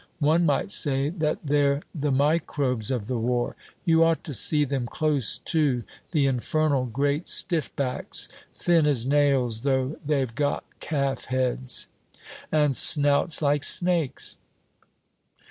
One might say that they're the microbes of the war. You ought to see them close to the infernal great stiff backs, thin as nails, though they've got calf heads." "And snouts like snakes."